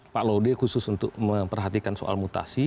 pak laude khusus untuk memperhatikan soal mutasi